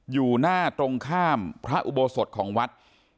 อยู่หน้าตรงข้ามพระอุโบสถของวัด